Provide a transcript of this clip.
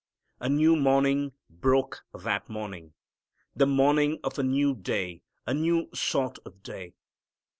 A new morning broke that morning, the morning of a new day, a new sort of day.